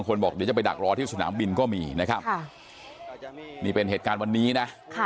บอกเดี๋ยวจะไปดักรอที่สนามบินก็มีนะครับนี่เป็นเหตุการณ์วันนี้นะ